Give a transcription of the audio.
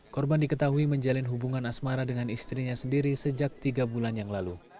korban diketahui menjalin hubungan asmara dengan istrinya sendiri sejak tiga bulan yang lalu